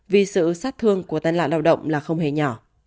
vì sự sát thương của tai nạn lao động là không hề nhỏ